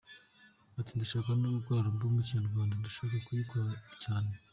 Ati “Ndashaka no gukora album y’Ikinyarwanda, ndashaka kuyikora cyane.